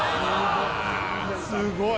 すごい。